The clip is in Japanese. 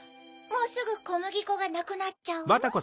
「もうすぐこむぎこがなくなっちゃう」？